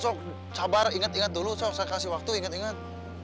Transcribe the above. ya sok cabar ingat ingat dulu sok saya kasih waktu ingat ingat